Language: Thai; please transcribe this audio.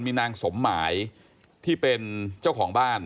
มีนางสมหมายที่เป็นเจ้าของบ้าน